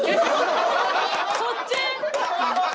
そっち？